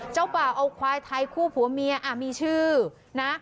เจ้าบ่าวเอาควายไทยคู่ผัวเมียมีชื่อนะ